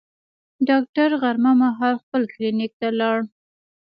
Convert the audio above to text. ډاکټر غرمه مهال خپل کلینیک ته لاړ.